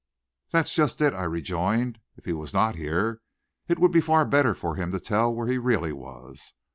"That's just it," I rejoined. "If he was not here, it would be far better for him to tell where he really was.